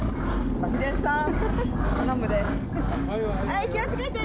はい気をつけて！